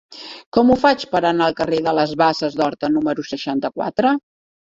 Com ho faig per anar al carrer de les Basses d'Horta número seixanta-quatre?